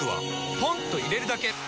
ポンと入れるだけ！